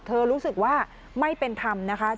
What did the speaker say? รู้สึกว่าไม่เป็นธรรมนะคะ